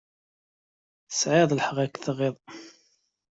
Tesɛiḍ lḥeqq ad k-tɣiḍ.